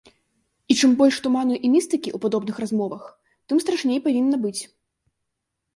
І чым больш туману і містыкі ў падобных размовах, тым страшней павінна быць.